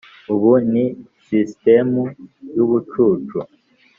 ubu ni sisitemu yubucucu.